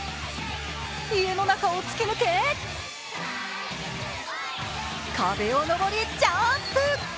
家の中を突き抜け壁を上りジャンプ。